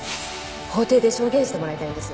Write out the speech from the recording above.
法廷で証言してもらいたいんです